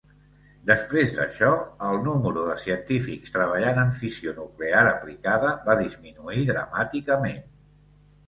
Després d'això, el número de científics treballant en fissió nuclear aplicada va disminuir dramàticament.